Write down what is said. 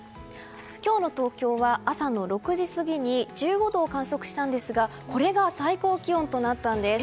今日の東京は朝の６時過ぎに１５度を観測したんですがこれが最高気温となったんです。